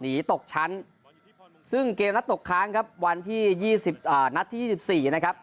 หนีตกชั้นซึ่งเกมนัดตกครั้งครับวันที่ยี่สิบอ่านัดที่ยี่สิบสี่นะครับ